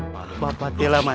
bapak telah mati